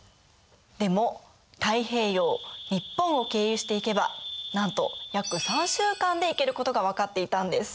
でも太平洋日本を経由して行けばなんと約３週間で行けることが分かっていたんです。